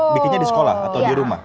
bikinnya di sekolah atau di rumah